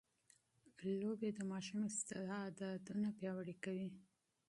لوبې د ماشوم استعدادونه پياوړي کوي.